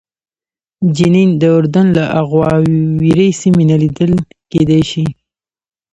جنین د اردن له اغاورې سیمې نه لیدل کېدای شي.